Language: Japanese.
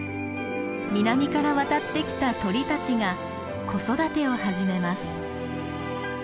南から渡ってきた鳥たちが子育てを始めます。